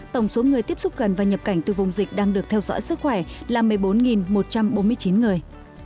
tổng số người tiếp xúc gần và nhập cảnh từ vùng dịch đang được theo dõi sức khỏe là một mươi bốn một trăm bốn mươi chín người